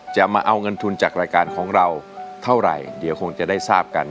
มาเอาเงินทุนจากรายการของเราเท่าไหร่เดี๋ยวคงจะได้ทราบกัน